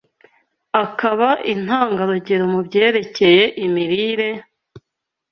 akaba intangarugero mu byerekeye imirire,